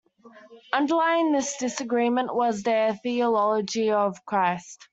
Underlying this disagreement was their theology of Christ.